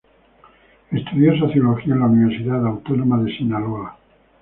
Estudió sociología en la Universidad Autónoma de Sinaloa.